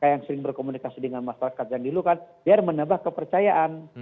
yang sering berkomunikasi dengan masyarakat yang didahulukan biar menebah kepercayaan